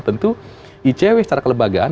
tentu icw secara kelembagaan